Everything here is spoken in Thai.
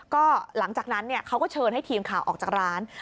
ก็หลังจากนั้นเขาก็เชิญให้ทีมข่าวออกจากร้าน